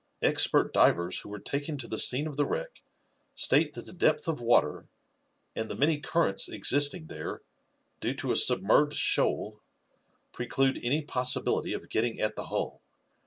Expert divers who were taken to the scene of the wreck state that the depth of water, and the many currents existing there, due to a submerged shoal, preclude any possibility of getting at the hull.